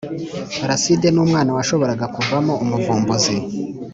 Paraside numwana washobora kuva mo umuvumbuzi